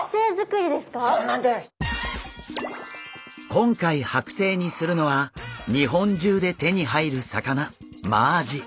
今回はく製にするのは日本中で手に入る魚マアジ。